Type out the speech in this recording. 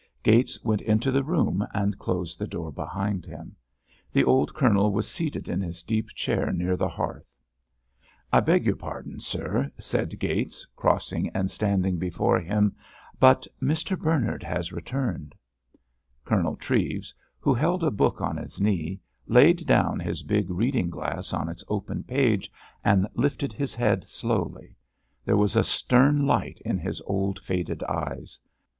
Gates went into the room and closed the door behind him. The old Colonel was seated in his deep chair near the hearth. "I beg your pardon, sir," said Gates, crossing and standing before him, "but Mr. Bernard has returned." Colonel Treves, who held a book on his knee, laid down his big reading glass on its open page, and lifted his head slowly. There was a stern light in his old faded eyes.